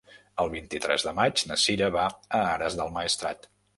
El vint-i-tres de maig na Cira va a Ares del Maestrat.